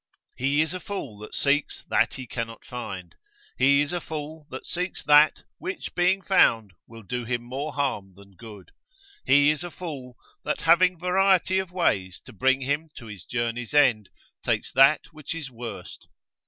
He is a fool that seeks that he cannot find: he is a fool that seeks that, which being found will do him more harm than good: he is a fool, that having variety of ways to bring him to his journey's end, takes that which is worst.